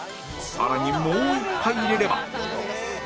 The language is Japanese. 更にもう１杯入れれば